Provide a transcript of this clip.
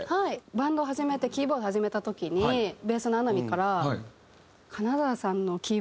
バンドを始めてキーボードを始めた時にベースの穴見から。